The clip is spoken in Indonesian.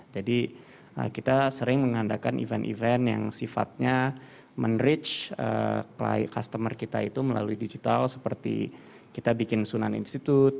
jadi kita sering mengandalkan event event yang sifatnya men reach customer kita itu melalui digital seperti kita bikin sunan institute